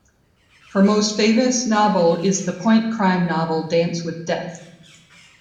Her most famous novel is the Point Crime novel "Dance with Death".